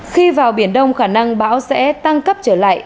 khi vào biển đông khả năng bão sẽ tăng cấp trở lại